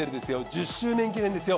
１０周年記念ですよ